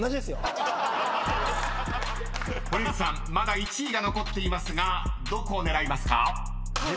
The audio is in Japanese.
［堀内さんまだ１位が残っていますがどこを狙いますか？］